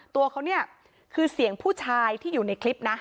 ตัวเขาเนี่ยคือเสียงผู้ชายที่อยู่ในคลิปนะ